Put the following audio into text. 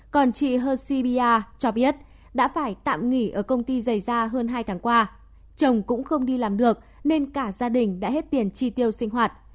còn chị hibia cho biết đã phải tạm nghỉ ở công ty dày da hơn hai tháng qua chồng cũng không đi làm được nên cả gia đình đã hết tiền chi tiêu sinh hoạt